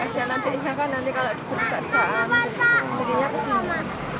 esnya nanti ikhlas nanti kalau diperiksa periksaan jadinya kesini